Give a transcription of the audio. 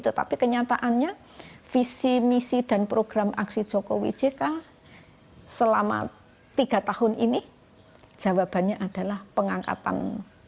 tetapi kenyataannya visi misi dan program aksi jokowi jk selama tiga tahun ini jawabannya adalah pengangkatan